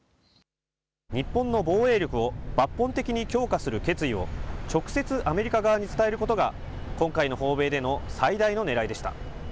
日本の防衛力を抜本的に強化する決意を直接、アメリカ側に伝えることが、今回の訪米での最大のねらいでした。